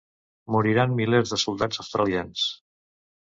Moriran milers de soldats australians.